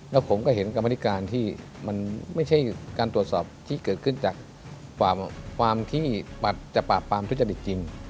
แล้วผมก็เห็นกรรมนิการที่มันไม่ใช่การตรวจสอบที่เกิดขึ้นจากความที่จะปราบปรามทุจริตจริง